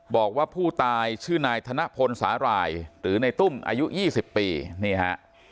บอกว่าผู้ตายชื่อนายธนพลสาหร่ายหรือในตุ้มอายุ๒๐ปีนี่ฮะ